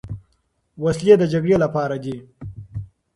وسلې د جګړې لپاره دي.